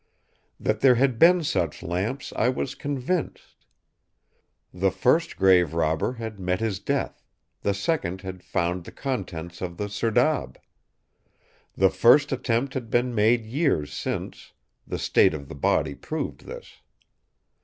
That there had been such lamps, I was convinced. The first grave robber had met his death; the second had found the contents of the serdab. The first attempt had been made years since; the state of the body proved this.